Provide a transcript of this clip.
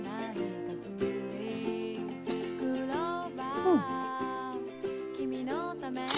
うん。